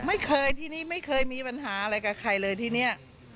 ไม่เคยที่นี่ไม่เคยมีปัญหาอะไรกับใครเลยที่เนี่ย